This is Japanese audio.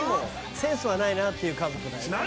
センスはないなっていう家族だよね。